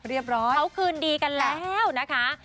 เขาคืนดีกันแล้วนะคะ